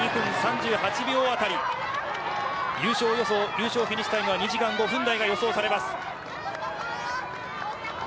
優勝フィニッシュタイムは２時間５分台が予想されます。